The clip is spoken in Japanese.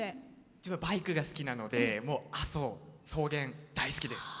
自分はバイクが好きなので阿蘇草原、大好きです。